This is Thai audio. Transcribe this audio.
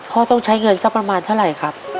ต้องใช้เงินสักประมาณเท่าไหร่ครับ